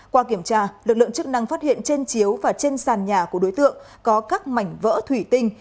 qua kiểm tra lực lượng chức năng phát hiện trên chiếu và trên sàn nhà của đối tượng có các mảnh vỡ thủy tinh